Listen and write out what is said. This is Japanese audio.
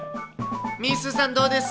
みーすーさん、どうです？